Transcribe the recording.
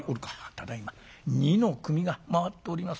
「ただいま二の組が回っております」。